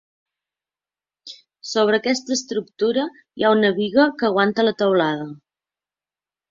Sobre aquesta estructura hi ha una biga que aguanta la teulada.